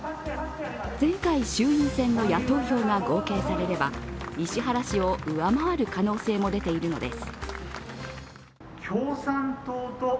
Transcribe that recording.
前回衆院選の野党票が合計されれば石原氏を上回る可能性も出ているのです。